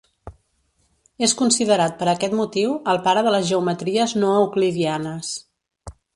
És considerat per aquest motiu el pare de les geometries no euclidianes.